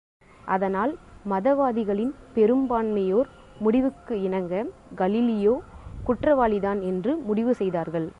அதனால், மதவாதிகளின் பெரும் பான்மையோர் முடிவுக்கு இணங்க, கலீலியோ குற்றவாளிதான் என்று முடிவு செய்தார்கள்.